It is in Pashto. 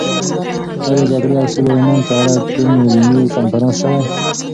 ایا د جګړې او سولې رومان په اړه کوم علمي کنفرانس شوی؟